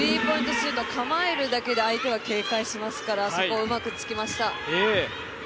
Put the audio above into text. シュート構えるだけで相手は警戒しますからそこをうまくつきました。